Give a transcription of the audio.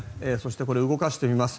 これを動かしてみます。